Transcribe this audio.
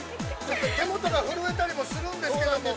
手元が震えたりもするんですけど。